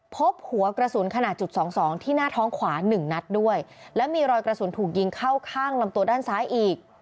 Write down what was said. พบหัวกระสุนขนาดจุดสองสองที่หน้าท้องขวาหนึ่งนัดด้วยและมีรอยกระสุนถูกยิงเข้าข้างลำตัวด้านซ้ายอีก